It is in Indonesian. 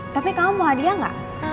kamu kenapa gak mau makan disini ya